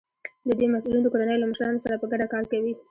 د دوی مسؤلین د کورنیو له مشرانو سره په ګډه کار کوي.